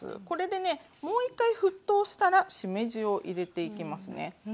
これでねもう一回沸騰したらしめじを入れていきますね。